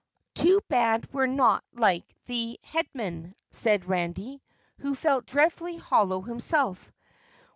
"Too bad we're not like the Headmen," said Randy, who felt dreadfully hollow himself.